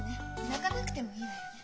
泣かなくてもいいわよね。